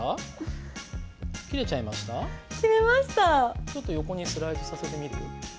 ちょっと横にスライドさせてみる？